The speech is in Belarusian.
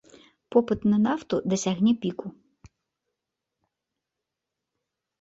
Попыт на нафту дасягне піку.